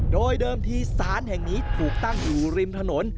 โดยเดิมทีสารแห่งนี้ถูกตั้งอยู่ริมถนน